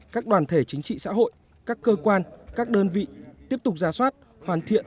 các đoàn thể chính trị xã hội các cơ quan các đơn vị tiếp tục ra soát hoàn thiện